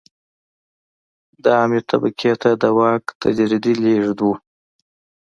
د عامې طبقې ته د واک تدریجي لېږد و.